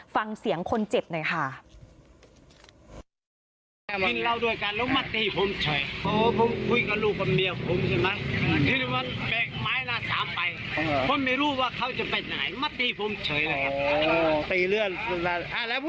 ฟังเสียงคนเจ็บหน่อยค่ะ